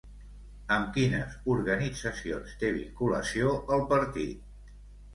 Amb quines organitzacions té vinculació el partit?